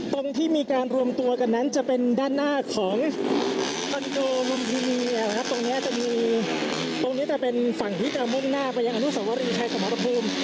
ตรงที่มีการรวมตัวกันนั้นจะเป็นด้านหน้าของคอนโดมพินีตรงนี้จะมีตรงนี้จะเป็นฝั่งที่จะมุ่งหน้าไปยังอนุสาวรีชายสมรภูมิ